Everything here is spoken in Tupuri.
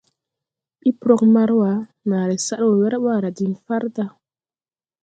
Ɓi prɔg Marwa nããre sad wɔ wɛr ɓaara diŋ farda.